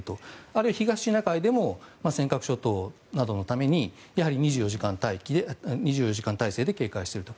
あるいは東シナ海でも尖閣諸島などのためにやはり２４時間態勢で警戒していると。